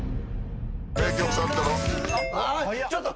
ちょっと。